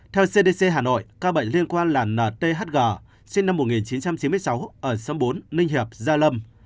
theo cdc hà nội ca bệnh liên quan là nthg sinh năm một nghìn chín trăm chín mươi sáu ở sâm bốn ninh hiệp gia lâm